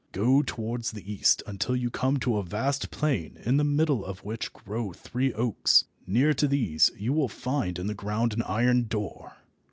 Go towards the east until you come to a vast plain in the middle of which grow three oaks. Near to these you will find in the ground an iron door.